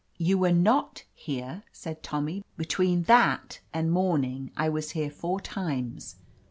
"You were not here," said Tommy. "Be tween that and morning, I was here four times.